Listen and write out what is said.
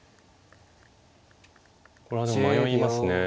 これはでも迷いますね。